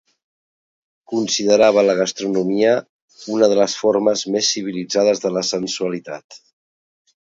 Considerava la gastronomia una de les formes més civilitzades de la sensualitat.